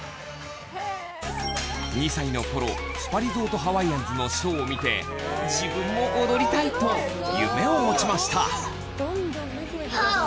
２歳の頃スパリゾートハワイアンズのショーを見て自分も踊りたい！と夢を持ちましたはっ！